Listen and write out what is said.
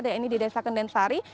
dan ini di desa kendensari